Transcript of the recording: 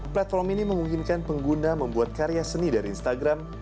platform ini memungkinkan pengguna membuat karya seni dari instagram